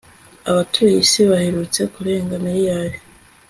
abatuye isi baherutse kurenga miliyari